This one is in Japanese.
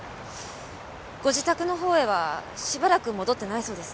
ご自宅のほうへはしばらく戻ってないそうですね。